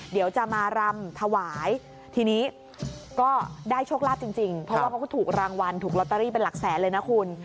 เดี๋ยวจะมารำถวายทีนี้ก็ได้โชคลาภจริงเพราะว่าเขาก็ถูกรางวัลถูกลอตเตอรี่เป็นหลักแสนเลยนะคุณ